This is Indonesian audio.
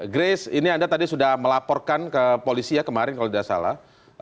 grace ini anda tadi sudah melaporkan ke polisi ya kemarin kalau tidak salah